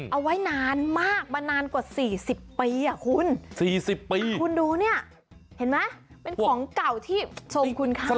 เอาไว้นานมากมานานกว่า๔๐ปีอะคุณ